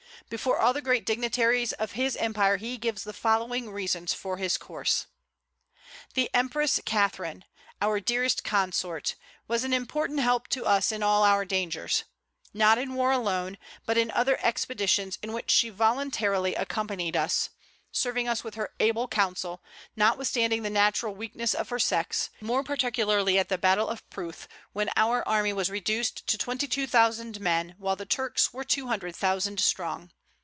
Before all the great dignitaries of his empire he gives the following reasons for his course: "The Empress Catherine, our dearest consort, was an important help to us in all our dangers, not in war alone, but in other expeditions in which she voluntarily accompanied us; serving us with her able counsel, notwithstanding the natural weakness of her sex, more particularly at the battle of Pruth, when our army was reduced to twenty two thousand men, while the Turks were two hundred thousand strong.